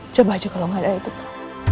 coba aja kalau nggak ada itu pak